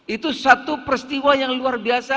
itu satu peristiwa yang luar biasa